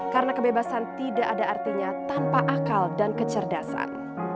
karena kebebasan tidak ada artinya tanpa akal dan kecerdasan